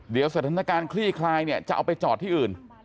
เดี๋ยวสถานการณ์คลี่คลายเนี่ยจะเอาไปจอดที่อื่น